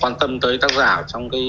quan tâm tới tác giả trong cái